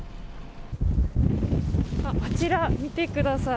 あちら、見てください。